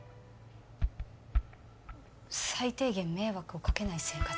最低限迷惑をかけない生活？